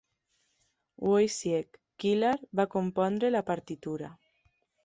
Wojciech Kilar va compondre la partitura.